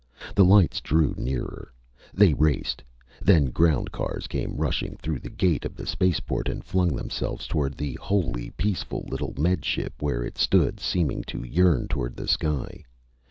The lights drew nearer. They raced. Then ground cars came rushing through the gate of the spaceport and flung themselves toward the wholly peaceful little Med Ship where it stood seeming to yearn toward the sky.